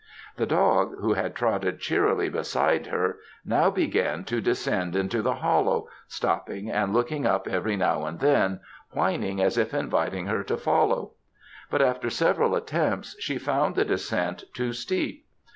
The dog, who had trotted cheerily beside her, now began to descend into the hollow, stopping and looking up every now and then, whining as if inviting her to follow; but after several attempts she found the descent too steep.